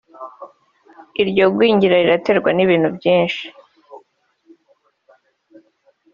iryo gwingira riraterwa n’ibintu byinshi